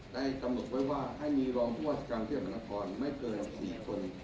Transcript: ได้กำลักษณ์ไว้ว่าให้มีรองผู้ว่าราชิการเที่ยวบรรทนครไม่เกิน๔คน